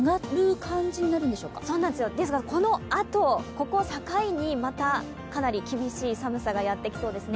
そうなんですよ、ですが、このあと、ここを境にまたかなり厳しい寒さがやってきそうですね。